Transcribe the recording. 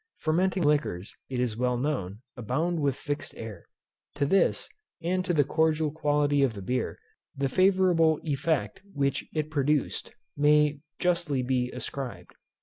Fermenting liquors, it is well known, abound with fixed air. To this, and to the cordial quality of the beer, the favourable effect which it produced, may justly be ascribed.